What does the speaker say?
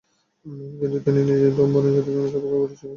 কিন্তু, তিনি নিজের বোনের সাথে প্রেমের সম্পর্কে জড়িয়েছিলেন!